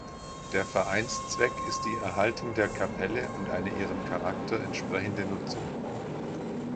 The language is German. Der Vereinszweck ist die Erhaltung der Kapelle und eine ihrem Charakter entsprechende Nutzung.